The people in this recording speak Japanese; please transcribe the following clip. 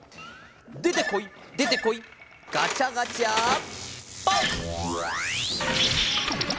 でてこいでてこいガチャガチャポン！